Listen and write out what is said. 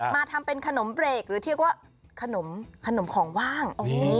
มาทำเป็นขนมเบรกหรือเรียกว่าขนมของว่าง